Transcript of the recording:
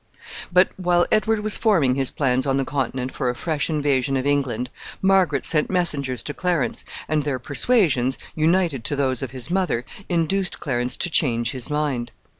But, while Edward was forming his plans on the Continent for a fresh invasion of England, Margaret sent messengers to Clarence, and their persuasions, united to those of his mother, induced Clarence to change his mind.